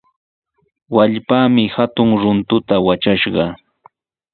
Wallpaami hatun runtuta watrashqa.